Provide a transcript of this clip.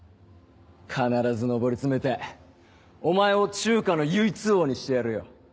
必ず上り詰めてお前を中華の唯一王にしてやるよ！